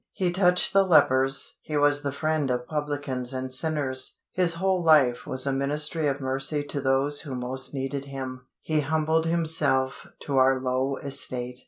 He touched the lepers; He was the Friend of publicans and sinners. His whole life was a ministry of mercy to those who most needed Him. He humbled Himself to our low estate.